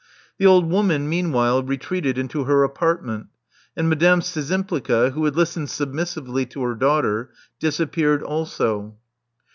The old woman meanwhile retreated into her apartment; and Madame Szczympliga, who had listened submis sively to her daughter, disappeared also.